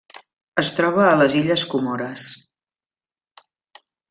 Es troba a les Illes Comores.